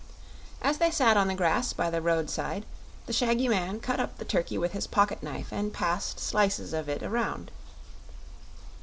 As they sat on the grass by the roadside the shaggy man cut up the turkey with his pocket knife and passed slices of it around.